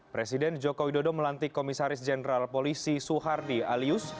presiden joko widodo melantik komisaris jenderal polisi suhardi alius